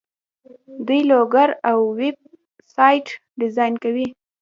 دوی لوګو او ویب سایټ ډیزاین کوي.